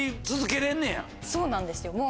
そうなんですよ